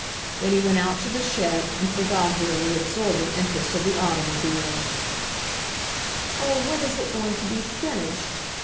Then he went out to the shed and forgot her in the ab sorbing interest of the automobile. "Oh, when is it going to be finished